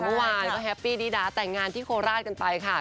เมื่อวานก็แฮปปี้ดีดาแต่งงานที่โคราชกันไปค่ะ